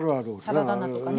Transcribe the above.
サラダ菜とかね。